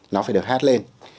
nó phải được hát lên